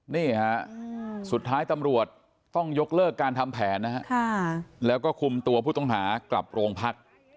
นี่ฮะสุดท้ายตำรวจต้องยกเลิกการทำแผนนะฮะแล้วก็คุมตัวผู้ต้องหากลับโรงพัก